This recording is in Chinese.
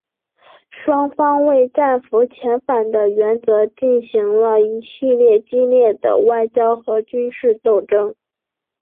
双方为战俘遣返的原则进行了一系列激烈的外交和军事斗争。